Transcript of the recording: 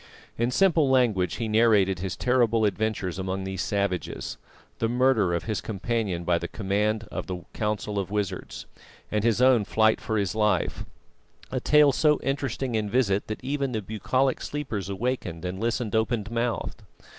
In simple language he narrated his terrible adventures among these savages, the murder of his companion by command of the Council of Wizards, and his own flight for his life; a tale so interesting and vivid that even the bucolic sleepers awakened and listened open mouthed.